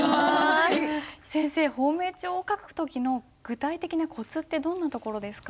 先生芳名帳を書く時の具体的なコツってどんなところですか？